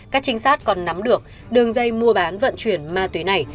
các trinh sát còn nắm được đường dây mua bán vận chuyển ma túy này